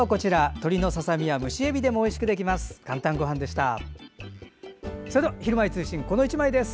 鶏のささ身や蒸しえびでもおいしくできます。